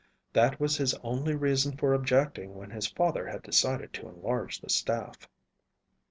That was his only reason for objecting when his father had decided to enlarge the staff.